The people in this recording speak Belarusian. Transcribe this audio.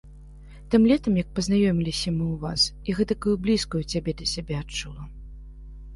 Тым летам, як пазнаёміліся мы ў вас, я гэтакаю блізкаю цябе да сябе адчула.